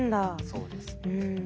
そうですね。